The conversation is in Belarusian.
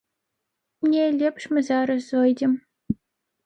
Не, лепш мы зараз зойдзем.